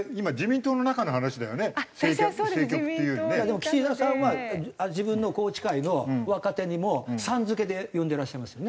でも岸田さんは自分の宏池会の若手にも「さん」付けで呼んでらっしゃいますよね。